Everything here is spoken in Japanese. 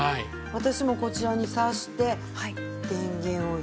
私もこちらに挿して電源を入れる。